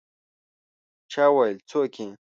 چا وویل: «څوک يې؟»